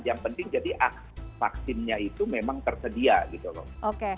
yang penting jadi vaksinnya itu memang tersedia gitu loh